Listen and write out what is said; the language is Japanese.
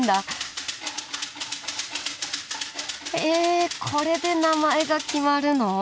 えこれで名前が決まるの？